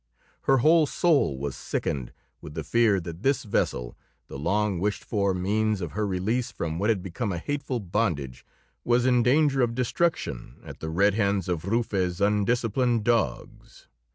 Her whole soul was sickened with the fear that this vessel, the long wished for means of her release from what had become a hateful bondage, was in danger of destruction at the red hands of Rufe's undisciplined dogs.